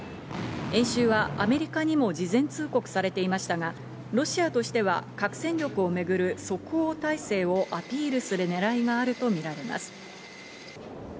演習はアメリカにも事前通告されていましたが、ロシアとしては核戦力をめぐる即応態勢をアピールする狙いがあるとみられます。